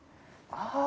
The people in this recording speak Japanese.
ああ！